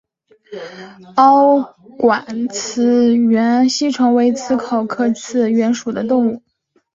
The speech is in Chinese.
凹睾棘缘吸虫为棘口科棘缘属的动物。